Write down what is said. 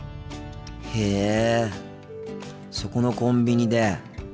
へえそこのコンビニで。